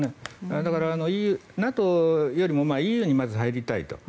だから、ＮＡＴＯよりもＥＵにまず入りたいと。